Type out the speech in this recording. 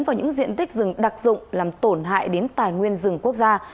vào những diện tích rừng đặc dụng làm tổn hại đến tài nguyên rừng quốc gia